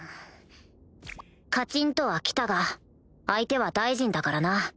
カチンとは来たが相手は大臣だからな